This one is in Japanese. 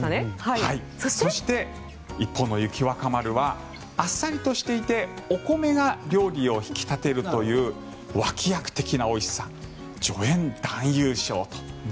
そして一方の雪若丸はあっさりとしていてお米が料理を引き立てるという脇役的なおいしさ助演男優賞と。